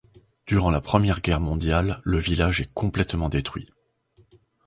Durant la Première Guerre mondiale, le village est complètement détruit.